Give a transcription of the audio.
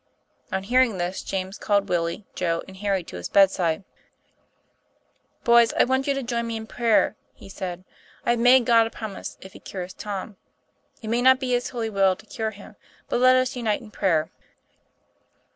On hearing this, James called Willie, Joe, and Harrv to his bedside. i " Boys, I want you to join me in prayer," he said. " I have made God a promise if He cures Tom. It may not be His holy will to cure him; but let us unite in prayer."